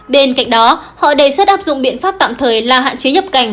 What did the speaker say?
bên cạnh đó họ đề xuất áp dụng biện pháp tạm thời là hạn chế nhập cảnh